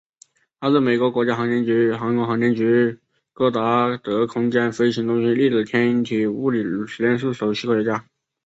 他是美国国家航空航天局戈达德空间飞行中心粒子天体物理实验室首席科学家。